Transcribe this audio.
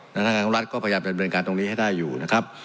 ทางการของรัฐก็พยายามเป็นบรรยากาศตรงนี้ให้ได้อยู่นะครับ